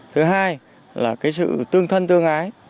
thứ hai là sự tương thân tương ái